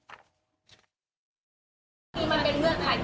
มันเป็นเรื่องไหน